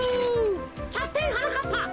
キャプテンはなかっぱてきです。